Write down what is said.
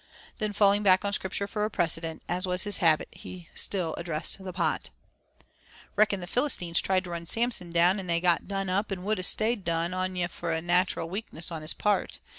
Then falling back on Scripture for a precedent, as was his habit, he still addressed the pot: "Reckon the Philistines tried to run Samson down and they got done up, an' would a stayed don ony for a nat'ral weakness on his part.